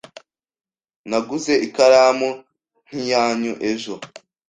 Naguze ikaramu nkiyanyu ejo.